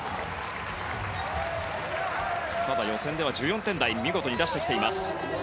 ただ、予選では１４点台を見事に出してきています。